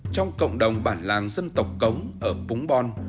trong cộng đồng bản làng dân tộc cống ở pung bon